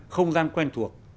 không gian quen thuộc